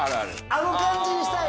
あの感じにしたい。